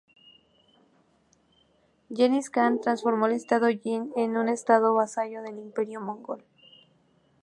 Gengis Kan transformó el Estado Jin en un Estado vasallo del Imperio mongol.